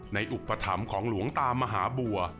อุปถัมภ์ของหลวงตามหาบัว